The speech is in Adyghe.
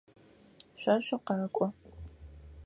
Шъо шъукъэкӏо.